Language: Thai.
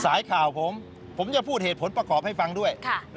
สายข่าวผมผมจะพูดเหตุผลประกอบให้ฟังด้วย